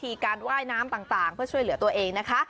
การว่ายน้ำต่างเพื่อช่วยเหลือตัวเองนะคะ